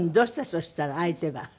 そしたら相手は。